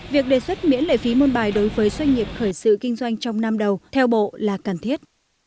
việc đề xuất miễn lệ phí môn bài đối với doanh nghiệp khởi sự kinh doanh trong năm đầu theo bộ là cần thiết